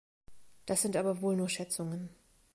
Das sind aber wohl nur Schätzungen.